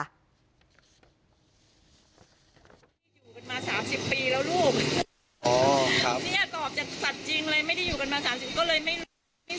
อ่าทำทั่วไปอ่ะใช่มั้ยคะอาจจะมีพวกนี้นั่นเนี่ย